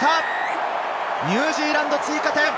ニュージーランド、追加点！